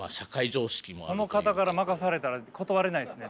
この方から任されたら断れないですね